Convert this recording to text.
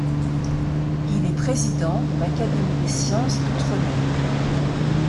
Il est président de l'Académie des sciences d'Outre-Mer.